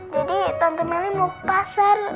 jadi tante meli mau pasar